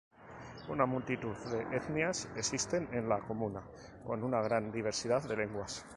Una multitud de etnias existen en la comuna con una gran diversidad de lenguas.